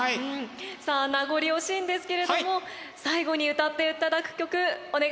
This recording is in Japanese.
さあ名残惜しいんですけれども最後に歌っていただく曲お願いします。